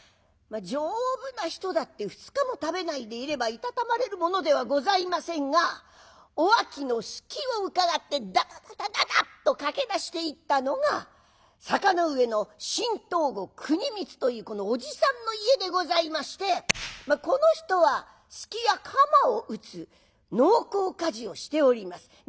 丈夫な人だって２日も食べないでいればいたたまれるものではございませんがおあきの隙をうかがってダダダダダッと駆け出していったのが坂ノ上の新藤五国光という叔父さんの家でございましてこの人はスキやカマを打つ農耕鍛冶をしております。